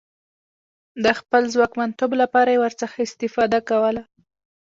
د خپل ځواکمنتوب لپاره یې ورڅخه استفاده کوله.